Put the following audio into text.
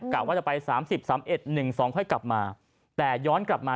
กลับว่าจะไปสามสิบสามเอ็ดหนึ่งสองค่อยกลับมาแต่ย้อนกลับมา